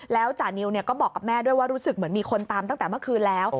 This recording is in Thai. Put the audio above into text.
แล้วจานิวก็บอกกับแม่ด้วยว่ารู้สึกเหมือนมีคนตามตั้งแต่เมื่อคืนแล้ว